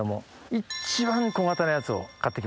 一番小型なやつを買って来ました。